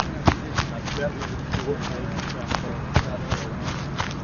Nakbea te wojnaikika te nombraroawak.